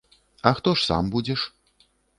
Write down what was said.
А хто ж сам будзеш?